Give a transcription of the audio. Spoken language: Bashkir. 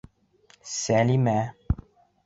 Сәлимә.